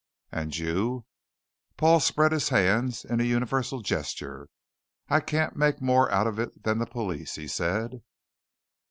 "And you?" Paul spread his hands in a universal gesture. "I can't make more out of it than the police," he said.